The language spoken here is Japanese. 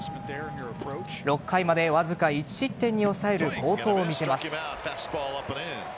６回までわずか１失点に抑える好投を見せます。